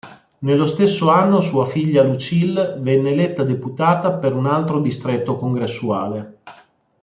Nello stesso anno sua figlia Lucille venne eletta deputata per un altro distretto congressuale.